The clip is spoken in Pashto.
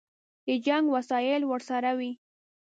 د جنګ وسایل ورسره وي.